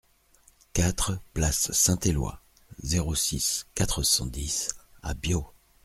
quatre place Saint-Eloi, zéro six, quatre cent dix à Biot